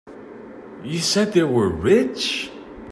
You said they were rich?